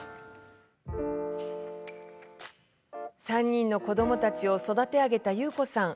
３人の子どもたちを育て上げたユウコさん。